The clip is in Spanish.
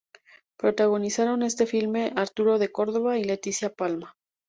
Protagonizaron este filme Arturo de Córdova y Leticia Palma.